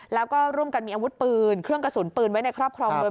แล้วก็ร่วมกันมีอาวุธปืนเครื่องกระสุนปืนไว้ในครอบครองเมือง